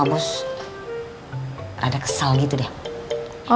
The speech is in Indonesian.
oh terus ternyata yang kirim bunga itu bukan mas al